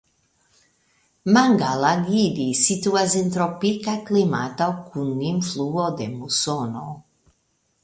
Mangalagiri situas en tropika klimato kun influo de musono.